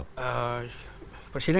eee presiden sudah mendengar ini belum pak ifdal